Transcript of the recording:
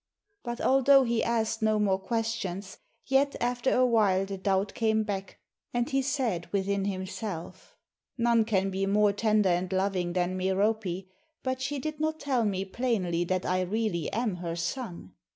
But, although he asked no more questions, yet after a while the doubt came back, and he said within himself, "None can be more tender and loving than Merope, but she did not tell me plainly that I really am her son."